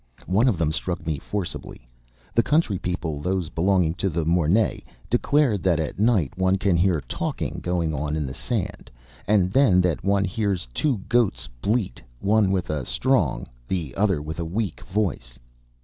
One of them struck me forcibly. The country people, those belonging to the Mornet, declare that at night one can hear talking going on in the sand, and then that one hears two goats bleat, one with a strong, the other with a weak voice.